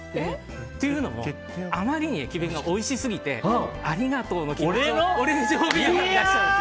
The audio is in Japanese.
というのもあまりに駅弁がおいしすぎてありがとうの気持ちのお礼状に。